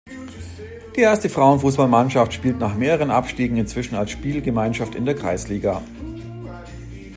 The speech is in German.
Die erste Frauenfußball-Mannschaft spielt nach mehreren Abstiegen inzwischen als Spielgemeinschaft in der Kreisliga.